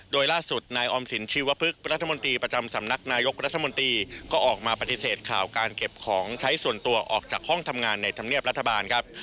โดยล่าสุดนายออมสินชีวพฤกษรัฐมนตรีประจำสำนักนายกรัฐมนตรีก็ออกมาปฏิเสธข่าวการเก็บของใช้ส่วนตัวออกจากห้องทำงานในธรรมเนียบรัฐบาลครับ